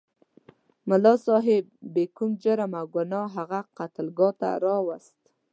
ملا صاحب بې کوم جرم او ګناه هغه قتلګاه ته راوست.